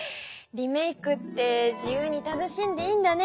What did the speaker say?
リメイクって自由に楽しんでいいんだね。